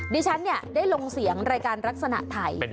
ดิฉันได้ลงเสียงรายการลักษณะไทย